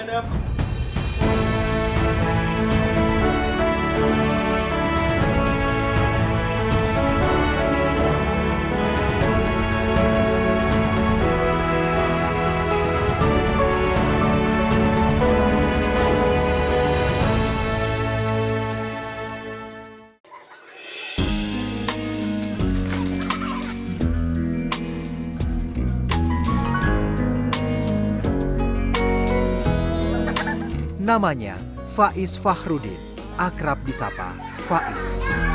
namanya faiz fahruddin akrab di sapa faiz